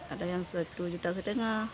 ada yang sebatu juta rupiah